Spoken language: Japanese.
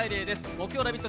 木曜「ラヴィット！」